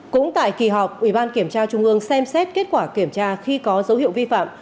cũng tại kỳ họp ủy ban kiểm tra trung ương xem xét kết quả kiểm tra khi có dấu hiệu vi phạm